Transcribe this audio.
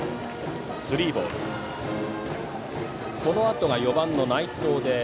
このあとが４番の内藤です。